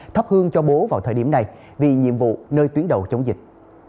thắp hương cho bố vào thời điểm này vì nhiệm vụ nơi tuyến đầu chống dịch